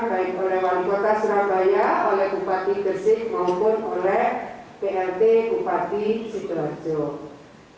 baik oleh wali kota surabaya oleh bupati gresik maupun oleh plt bupati sidoarjo